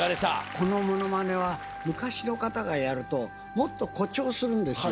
このものまねは昔の方がやるともっと誇張するんですよ。